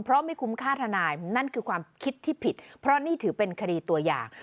เพราะไม่คุ้มค่าทนายนั่นคือความคิดที่ผิดเพราะนี่ถือเป็นคดีตัวอย่าง